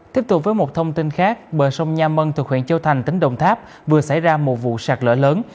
tiếp tục với một thông tin khác bờ sông nha mân thuộc huyện châu thành tỉnh đồng tháp vừa xảy ra một vụ sạt lỡ lớn